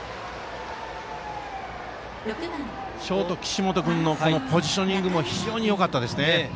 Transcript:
ショートの岸本君のポジショニングも非常によかったですね。